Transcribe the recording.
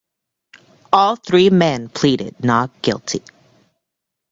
All three men pleaded not guilty.